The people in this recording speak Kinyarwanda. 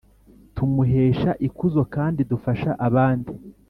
tumuhesha ikuzo kandi dufasha abandi